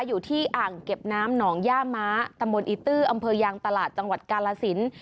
อยู่ที่อ่างเก็บน้ำหนองย่าม้าตำบลอีตื้ออำเภอยางตลาดจังหวัดกาลสิน